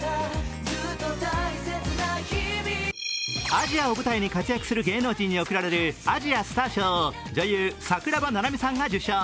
アジアを舞台に活躍する芸能人に贈られるアジアスター賞を、女優・桜庭ななみさんが受賞。